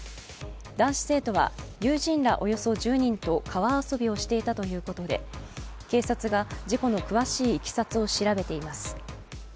男子生徒は友人らおよそ１０人と川遊びをしていたということで警察が事故の詳しいいきさつを調べています。